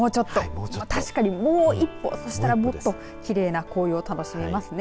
確かにもう一歩、そうしたらもっときれいな紅葉を楽しめますね。